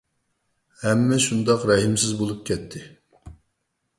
ھەممە شۇنداق رەھىمسىز بولۇپ كەتتى.